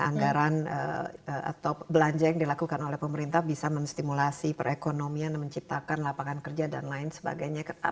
anggaran atau belanja yang dilakukan oleh pemerintah bisa menstimulasi perekonomian dan menciptakan lapangan kerja dan lain sebagainya